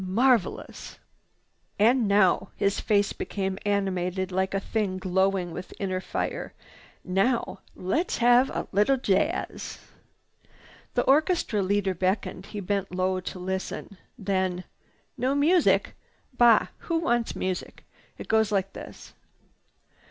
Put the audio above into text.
Marvelous! "And now—" his face became animated like a thing glowing with inner fire. "Now let's have a little jazz." The orchestra leader beckoned. He bent low to listen. Then, "No music? Bah! Who wants music? It goes like this!"